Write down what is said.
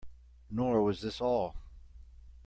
Nor was this all.